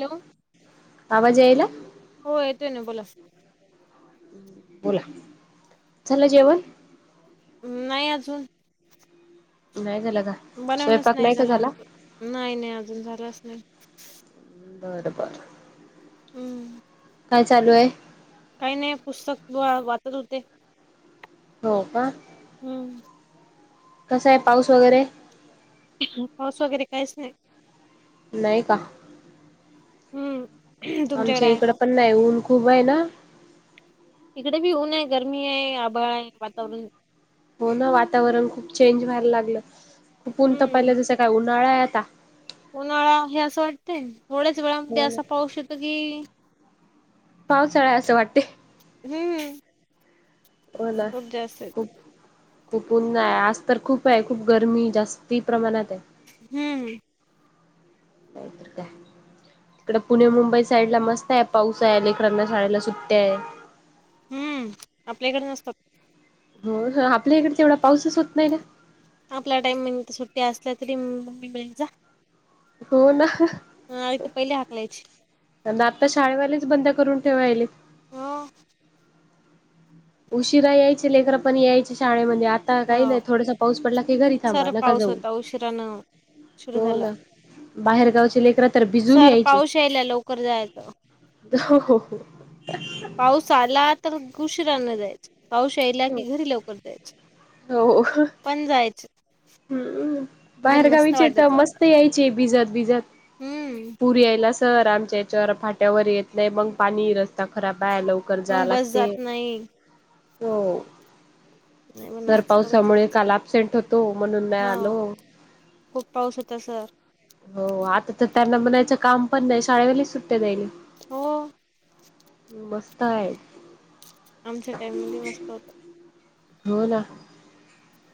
Hello आवाज यायला? हो येतोय ना बोला. बोला झालं जेवण. नाही अजून. नाही झालं का? बनवणचं स्वयंपाक नाही का झालं झाला आमचं, नाही नाही अजून झालंच नाही. बरं बरं. हम्. काय चालू आहे. काही नाही पुस्तक वाचत होते. हो का? हम्म. कसा आहे पाऊस वगैरे? पाऊस वगैरे काहीच नाही. नाही का? हम्म. तुमच्याकडे आमच्या आहे इकडं का पण नाही, ऊन खूप आहे ना. इकडे बी ऊन आहे, गरमी आहे, आभाळ आहे, वातावरण. हो ना वातावरण खूप चेंज व्हायला लागलं खुप ऊन हम्म पहिलं तस काय उन्हाळा आहे आता. उन्हाळा हे असं वाटतंय, थोड्याच वेळामध्ये हो ना असा पाऊस येतो की. पावसाळा असं वाटतंय. हम्म हो ना खूप जास्त येतो खूप. खूप ऊन आहे, आज तर खूप आहे, खूप गरमी जास्ती प्रमाणात आहे. हम्म काय तर काय. इकडे पुणे मुंबई साईडला मस्त आहे, पाऊस आहे, लेकरांना शाळेला सुट्ट्या आहे. हम्म आपल्याकडे नसतात. हो आपल्या इकडे तेवढा पाऊसच होत नाही ना. आपल्या टाइमींग सुट्ट्या असल्या, तरी मम्मी म्हणेल जा. हो ना हा, ती पहिले हाकलायची. आता शाळेवालेच बंद करून ठेवायले. ह उशिरा यायचे लेकरं, पण यायचे शाळेमध्ये आ आता हो काही नाही, थोडासा पाऊस पडला की, घरी थांबा सर नका पाऊस जाऊ होता उशिरानं उशीर हो झाला ना. बाहेर गावचे लेकरं तर भिजून सर यायचे पाऊस यायला लवकर जायचं. हो हो हो पाऊस आला तर घुशीरान जायचं. पाऊस यायला की हो घरी लवकर जायचं, हो पण जायचं. हम् पण मस्त बाहेरगावीचे तर वाटायचं आता मस्त यायचे. भिजत, भिजत हम्म पूर यायला. सर आमच्या याच्यावर फाट्यावर येत नाही, मग पाणी रस्ता खराब आहे, लवकर मग जावे बस लागते. जात नाही हो नाही पण तर पावसामुळे आजकालच काल अपसेंट होते. तो म्हणून नाही हा आलो. खूप पाऊस होता सर हो आता तर त्यांना म्हणायचं काम पण नाही, शाळेवालेच सुद् हो मस्त आहे. आमच्या टाइमींग ले मस्त होतं. हो ना.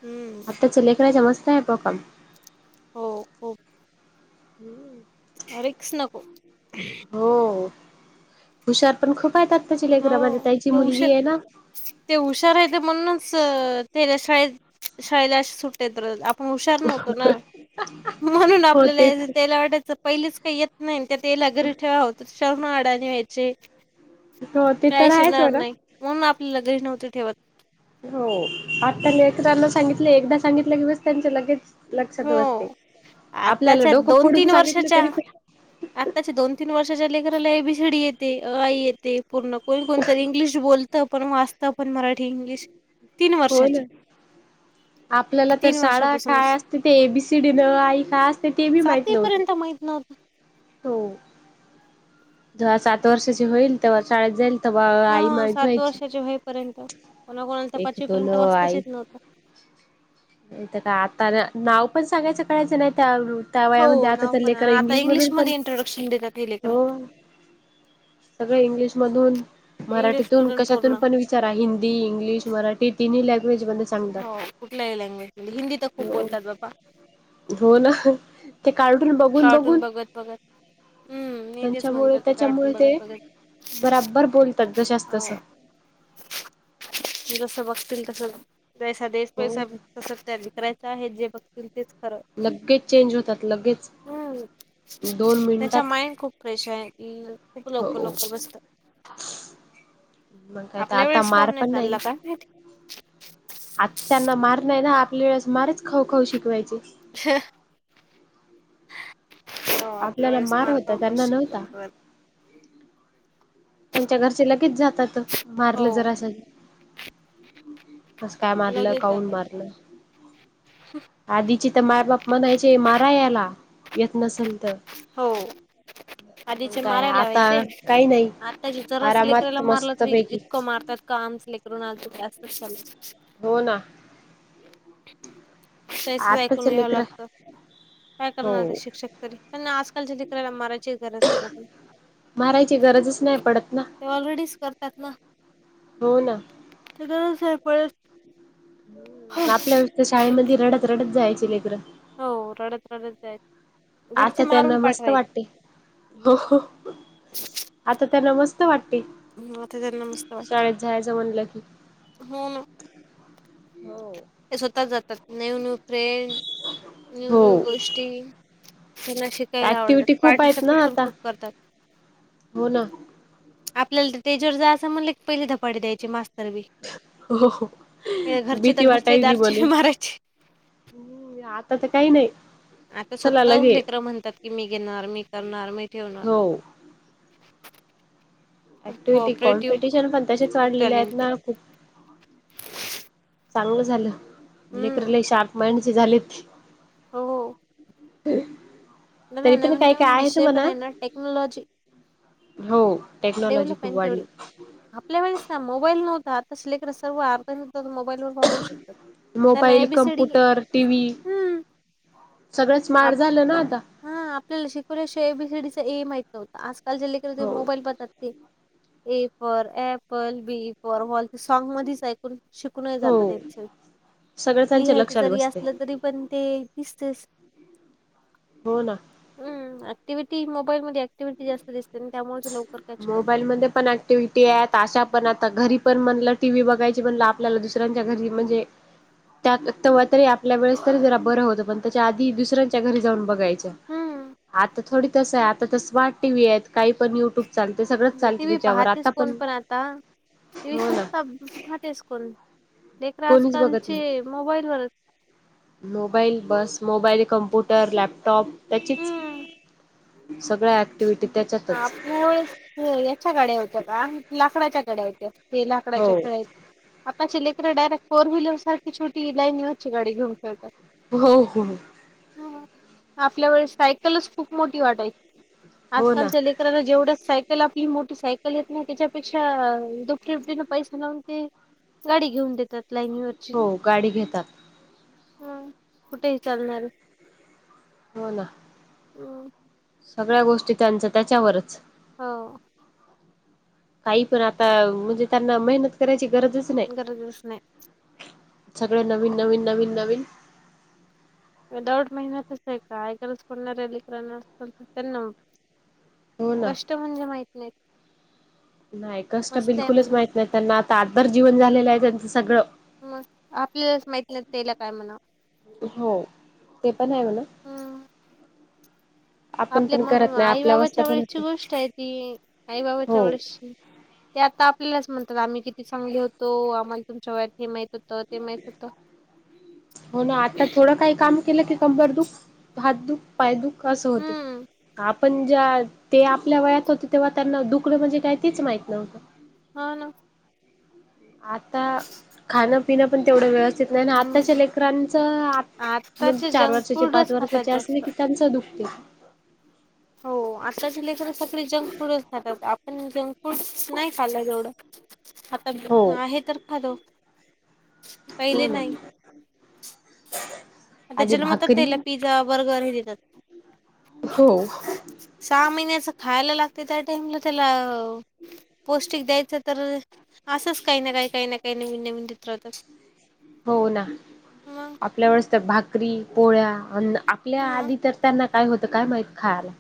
हम्म आत्ताच्या लेकरायच्या मस्त आहे बो काम हो हो हम्म ए रिस्क नको. हो हुशार पण खूप आहेते आताची हो लेकर माझ त्यायची ते हुशार मुलगी आहे ना. ते हुशारह म्हणूनच त्या शाळेत शाळेला सुटेत पशार नव्हतो ना म्हणून हो ते आपल्याला त्याला वाटायचं पहिलीच काही येत नाही त्या तेला घरी ठेवा होत शर्ण अडाणी व्यायचे हो ते तर काहीच आहेच येणार म्हणा. नाही, म्हणून आपल्याला घरी नव्हते ठेवत. हो आत्तानी लेकरांना सांगितले एकदा सांगितले की, बस त्यांच्या लगेच. लक्षात हो बसते, आपल्याला आताच्या डोकं दोन फोडून तीन सांगितलं वर्षाच्या तरी आत्ताच्या दोन तीन वर्षाच्या लेकराला ए बी सी डी येते, अ आ ई येते पूर्ण. कोण कोणतरी इंग्लिश बोलतं, पण वाचत, पण मराठी इंग्लिश. तीन हो ना वर्षाचे आपल्याला तर तीन शाळा काय वर्षापासूनच असत ते एबीसीडी न आई काय असते ते बी माहित नव्हते सातवीपर्यंत माहित नव्हतं हो. जव्हा सात वर्षाची होईल तेव्हा शाळेत जाईल. आई हा माहत सात व्हायची वर्षाचे होईपर्यंत कोणाकोणाला तर एक, दोन, पाचवीपर्यंत अ, आ, वाचताच ई येत नव्हतं तर का आता नाव पण सांगायचं कळायचं नाही त्यावर त्या वयामध्ये हो आता नाव तर पण लेकर आता इंग्लिश मधून पण इंग्लिशमध्ये इंट्रोडक्शन देतात हे लेकरं हो सगळ इंग्लिश मधून इंग्लिश मराठीतून मधून कशातून पूर्ण पण वि चरा हिंदी इंग्लिश मराठी तिननी लँग्वेज ब हो कुठल्याही लँग्वेजमध्ये हिंदी तर खूप हो बोलतात बा्पा हो ना ते कार्टून बघून कार्टून बघून बघत बघत हम्म मी तेच म्हणत त्यांच्यामुळे होते त्याच्यामुळे कार्टून बघत ते बघत बराबर बोलतात जशस तसं जस बघतील तस जैसा हो देशपैसा तसं त्या विकरायचं आहे जे बघतील तेच खरत लगेच चेंज होतात लगेच हम् दोन त्याचा मिनिटात माइंड खूप फ्रेश आहे की खूप लोक हो लोक बसतात मग काय तर आपल्या आता वेळेस मार काऊन पण चालला नाही काय माहिती आता त्यांना मार नाही ना आपल्या वेळेस मारच खाऊ खाऊ शिकवायचे श हो आपल्या आपल्याला वेळेस मार मार्ग होता अवक त्यांना शिकल नव्हता ब त्यांच्या घरचे लगेच जातात हो मारलं जरा असं कस काय मारलं लगेच काऊन जातात मारलं आधीची तर माय बाप म्हणायचे मारा याला येत नसेल तर हो मग आधीचे काय आता मारायलावायचे काही नाही त्या जरा अस लेकराला आरामात मारलं तरी मस्तपैकी इतकं मारतात का आम स लेकरून आ असं चालत हो ना तहीच आताच ऐकून घ्यावं लेकर लागतं काय हो करणार ते शिक्षक तरी पण आजकालच्या दिकराला माराची गरज पडत नाही मारायची गरजच नाही पडत ना ते ऑलरेडीच करतात ना हो ना ते तरच परत आपल्या वेळे तर शाळेमध्ये रडत रडत जायचे लेकर्रं हो रडत रडत जायच घरचे आता त्यांना मारून मस्त पाठवायचे वाटते आता त्यांना मस्त वाटते आता त्यांना मस्त वाटते. शाळेत जायचं म्हणलं की हो ना हो ते स्वतः जातात new new friend new new हो गोष्ट त्यांना श यला आवडतात ऍक्टिव्हटी खूप आहेत ना पार्टिसिपेट पण आता खूप करतात हो ना आपल्याला तर त्याच्यावर जा असं म्हणलं पहिली धपाटी द्यायचे मास्तर बी हो घरचे भीती तर घरचे वाटायली दारचे बी म्हणू मारायचे. हम् आता तर काही नाही आता चला स्वतः लगे लेकर म्हणतात की मी घेणार मी करणार मी ठेवणार हो खूप ऍक्टिव्हिटी कोऑपरेटिव्ह कॉम्पिटिशन पण तसेच खूप वाढलेले आहेत टॅलेंटेड ना खूप चांगलं झालं लेकर हम्म ल शार्प माइंड झालेत हो ह न न मन न विषय पण आहे ना टेक्नॉलाॉजी हो टेक्नॉलॉजी खूप डेव्हलपन वाढली तेवडी आपल्या वेळेस ना मोबाईल नव्हता शिलेक सर् अर्ध नव्हता तर मोबाईल व वावू शकात मोबाईल कम्प्युटर टी व् हम्म सगळं स्मार्ट आप झालं ना आता हा आपल्याला शिकवल्याशिवा एबीसीडीचं ए माहित होतं आजकाल जे लेकर हो मोबाईल बतात A for apple B for ball ते सॉग मध्येच ऐकून श हो जात त्याच्या सगळं त्यांच्या लिहायच लक्षात जरी बसते असलं तरी पण ते दिसतेस हो ना हम् ऍक्टिव्हटी मोबाईल मध्ये ऍक्टिव्हिटी जास्त दिसते आणि त्यामुळेच लवकर कॅच करतात मोबाईलमध्ये पण ऍक्टिव्हटी आहेत अशा पण आता घरी पण म्हणलं टी व्ही बघायची म्हण आपल्याला दुसऱ्यांच्या घरी म्हणजे त्यात तेव्हा तरी आपल्या वेळेस तरी जरा बरं होत पण त्याच्या दुच्या घरी जाऊ बघाय हम्म आ थोडी तस आ स्म्ट टी काही पण यू्यू टी व्ही पाहतेस कोण पण आता टी व् हो सु ना तेसक एकड आज कोणीच बघत कलची नाही मोबाईल वर मोबाईल बस मोबाईल कम्प्युटर लॅपटॉप त्याचीच हम्म सगळ्या ऍक्टिव्हटी ह त्याच्यातच आपल्याळेस याच्या गाड्या होत्या का लाकडाच्या गाड्या होत्या ते लाकडाच्या हो खेळ आता िलेक्र डायरेक्ट फोर व्हीलर सारखी छटी लाईनव ची गडी घेऊन खेळतात हो हो ह आपल्या व सायकलच खूप मोठी वाटायची हो ना आजकालच्या लेकरांला जेवढ्या सायकल आपली मोठी सायकल येत ना त्याच्यापेक्षा दुपटीुपटीन पैसा लावून ते गाडी घेऊन देतात लाईनी वरची हो गाडी घेतात हम कुठेही चालणार हो ना हम् सगळ्या गोष्टी त्यांच त्याच्यावरच हो काही पण आता म्हणजे त्यांना मेहनत करायची गरजच गरज दिवस नाही सगळ नवीन नवीन नवीन नवीन विदाऊट मेहनतच आहे कायकच कोडणार्यालीकर असत त्यां हो ना कष्ट म्हणजे माहित नाही नाही कष्ट मस्त आहे बिलकुलच म्हणा माहित नाही त्यांना आता आदर जीवन झालेलं आहे त्यांचं सगळं. मस् आपल्यास माहिती नाही तेला काय म्हणाव? हो ते पण आहे म्हणा. हम्म आपण आपल्या पण मग करत नाही आई आपल्या अवस्था बाबाच्या पण वेळेसची होत गोष्ट आहे ती आई बाबाच्या हो वेळेसची. ते आता आपल्यालाच म्हणतात आम्ही किती चांगले होतो आम्हाला तुमच्या वेळेस हे माहित होत ते माहित होत. हो ना आता थोडं काही काम केलं की कंबर दुख, हात दुख, पाय दुख, अस होते. हम्म पण ज्या ते आपल्या वयात होते तेव्हा त्यांना दुखंन म्हणजे काय तेच माहित नव्हतं. हा ना. आता खाणं पिणं पण तेवढं व्यवस्थित नाही आताच्या हम्म लेकरांचं मग आताचे चार जंक वर्षाचे पाच फूडच खातात वर्षाचे असले जास्त की त्यांच दुखते. हो आताची लेकर सगळे जंक फूडच खातात आपण जंक फूड नाही खाल्ला जवढं ह आहे तर खादो पहिले हो ना नाही आ आणि त्याच्याल मत भाकरी त्याला पी बर्गर हे देतात हो सहा महिन्याच खायला लागते त्या टाइमला त्याला पौष्टिक द्यायचं तर असंच काही ना काही काही ना काही नवीन नवीन ित्र होतात हो ना आपल्या वेळेस तर भाकरी पोळ्या आपल्या मग आधी तर त्यांना काय होतं काय माहित खायला.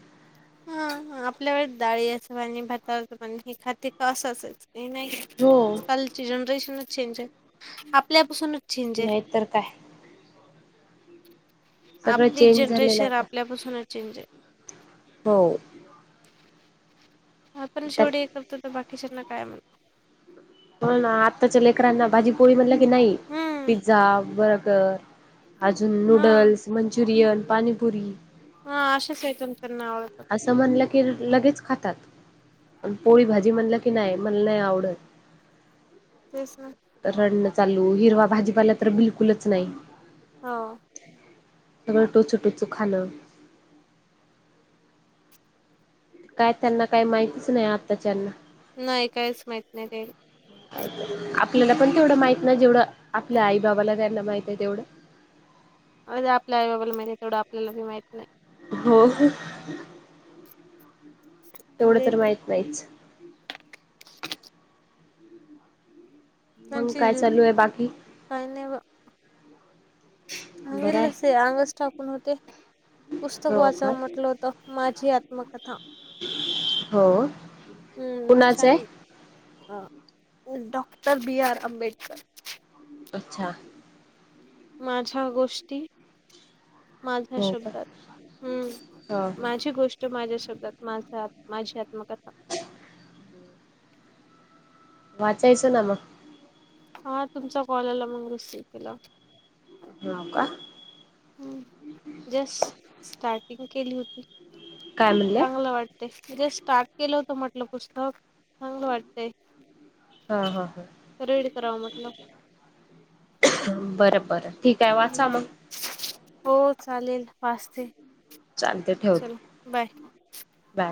हा आपल्यावर डाळी असं पा आणि भाताच पण हे खाते का असंचच काही नाही. हो. आजकाल जनरेशनच चेंज आहे आपल्यापासूनच चेंज आहे. तर काय. सगळं आपली चेंज झालेलं जनरेशन आहे आता आपल्यापासूनच चेंज आहे. हो. आपण त्यात शेवटी करतो तर बाकीच्याांना काय म्हणतो. म्हण आत्ताच्या लेकरांना भाजी पोळी म्हणलं की नाही हम्म पिझ्झा बर्गर अजून हा नूडल्स मंचुरियन पाणीपुरी [unintelligible] असं म्हणलं की लगेच खातात पोळी भाजी म्हणलं की नाही म्हणला नाही आवडत. तेच ना. तर रणण चालू हिरवा भाजीपाला तर बिलकुलच नाही. हो. सगळं टोचू टोचू खालं काय त्यांना काही माहितीच नाही आताच्याना. नाही काहीच माहित नाही ते. आपल्याला पण तेवढं माहित ना जेवढं आपल्या आई बाबाला त्यांना माहित आहे तेवढं. अरे आपल्या आई बाबाला माहिती आहे तेवढं आपल्यालाी माहित नाही. हो हो. [unintelligible] तेवढं तर माहित नाहीच. मंग काय त्यांची चालू आहे बाकी. बरं हांगेलस आहे अंगच ठाकून होते. पुस्तक हो का वाचाव म्हटलं होत माझी आत्मकथा. हो कुणाचं आहे? ह डॉक्टर बी आर आंबेडकर. अच्छा. माझ्या गोष्टी. माझ्या हो का? शब्दात हा हम्म हा. माझी गोष्ट तो माझ्या शब्दात माझा माझी आत्मकथा वाचायचं ना मग हा तुमचा कॉल आला मग रिसीव्ह केला हो का हम् जस्ट स्टार्टिंग केली होती काय म्हणल्या? चांगलं वाट ते जे स्टार्ट केलं होत म्हटलं पुस्तक चांगलं वाटत हा हा ह रीड करावं म्हटलं बरं बरं ठीक आहे वाचा मग. हो चालेल वाजते चालते ठेवते बा